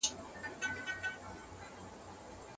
د انسان ټاکل د شريعت له احکامو سره مخالفت دی.